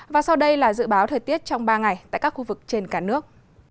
và sau đây là dự báo thời tiết trong ba ngày tại các khu vực trên cả nước